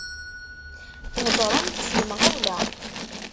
Theddṛemt s lemɣawla.